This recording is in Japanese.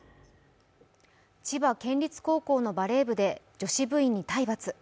千葉県立高校のバレー部で女子部員に体罰。